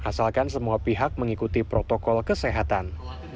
asalkan semua pihak mengikuti protokol kesehatan